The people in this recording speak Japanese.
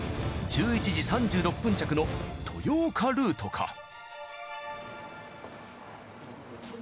１１時３６分着の豊岡ルートか。